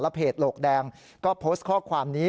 เพจโหลกแดงก็โพสต์ข้อความนี้